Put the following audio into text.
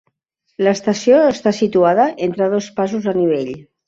L'estació està situada entre dos passos a nivell.